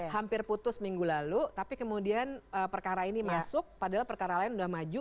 hampir putus minggu lalu tapi kemudian perkara ini masuk padahal perkara lain sudah maju